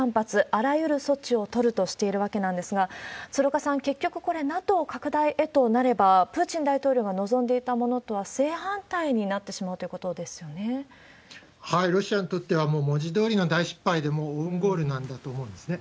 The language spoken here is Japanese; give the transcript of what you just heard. あらゆる措置を取るとしているわけなんですが、鶴岡さん、結局、これ、ＮＡＴＯ拡大へとなれば、プーチン大統領が望んでいたものとは正反対になってしまうというロシアにとっては、もう文字どおりの大失態で、もうオウンゴールなんだと思うんですね。